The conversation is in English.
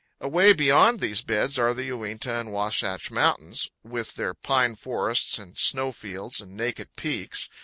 Away beyond these beds are the Uinta and Wasatch mountains with their pine forests and snow fields and naked peaks.